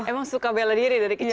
emang suka bela diri dari kecil